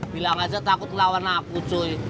bilang aja takut ngelawan aku cuy